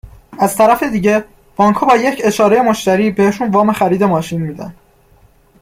از طرف دیگه بانكها با يك اشاره مشترى بهشون وام خريد ماشين ميدن،